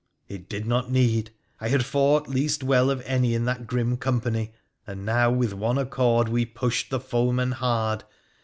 It did not need ! I hac fought least well of any in that grim company, and now, witl one accord, we pushed the foeman hard.